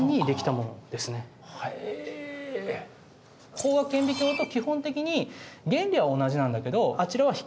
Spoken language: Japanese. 光学顕微鏡と基本的に原理は同じなんだけどあちらは光